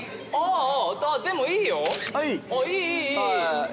でもいいよ。